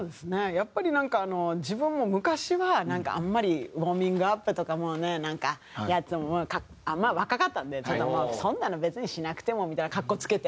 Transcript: やっぱりなんか自分も昔はあんまりウォーミングアップとかもねなんかまあ若かったんでそんなの別にしなくてもみたいな格好付けて。